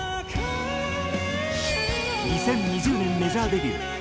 ２０２０年メジャーデビュー。